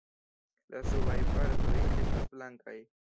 La subaj partoj estas blankaj.